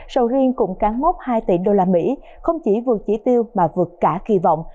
sầu riêng cũng cắn mốt hai tỷ usd không chỉ vượt chỉ tiêu mà vượt cả kỳ vọng